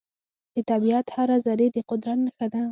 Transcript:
د طبیعت هره ذرې د قدرت نښه ده.